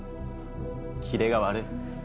キレが悪い。